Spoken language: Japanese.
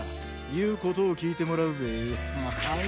いうことをきいてもらうぜ。